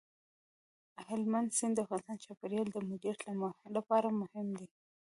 هلمند سیند د افغانستان د چاپیریال د مدیریت لپاره مهم دی.